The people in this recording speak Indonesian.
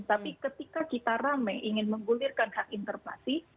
tapi ketika kita rame ingin menggulirkan hak interpelasi